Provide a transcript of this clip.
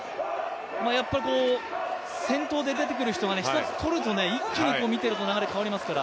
やっぱり先頭で出てくる人が一つ取ると一気に流れ変わりますから。